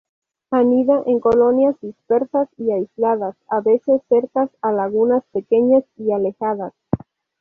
Anida en colonias dispersas y aisladas, a veces cerca a lagunas pequeñas y alejadas.